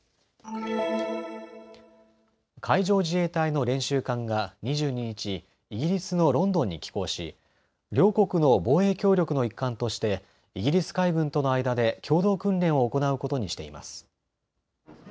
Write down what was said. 海上自衛隊の練習艦が２２日、イギリスのロンドンに寄港し両国の防衛協力の一環としてイギリス海軍との間で共同訓練を行うことにしています。